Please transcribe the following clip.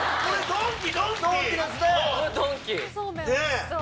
ドンキ！